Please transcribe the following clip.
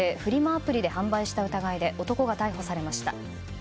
アプリで販売した疑いで男が逮捕されました。